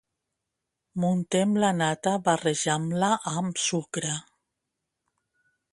Muntem la nata barrejant-la amb sucre.